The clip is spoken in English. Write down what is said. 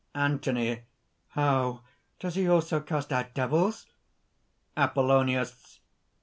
ANTHONY. "How! does he also cast out devils?" APOLLONIUS.